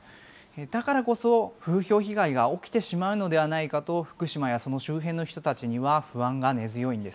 だからこそ、風評被害が起きてしまうのではないかと、福島やその周辺の人たちには不安が根強いんです。